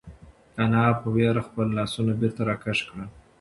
انا په وېره کې خپل لاسونه بېرته راکش کړل.